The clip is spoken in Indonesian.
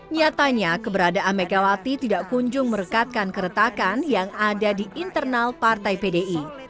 nyatanya keberadaan megawati tidak kunjung merekatkan keretakan yang ada di internal partai pdi